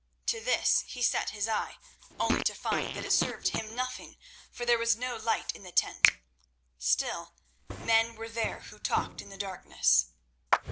To this he set his eye, only to find that it served him nothing, for there was no light in the tent. Still, men were there who talked in the darkness.